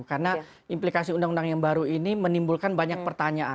karena implikasi undang undang yang baru ini menimbulkan banyak pertanyaan